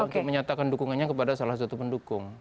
untuk menyatakan dukungannya kepada salah satu pendukung